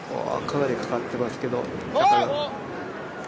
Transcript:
かなりかかっていますけど。